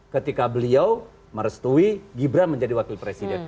ketika beliau merestui gibran menjadi wakil presiden